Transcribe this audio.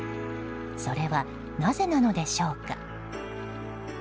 それはなぜなのでしょうか。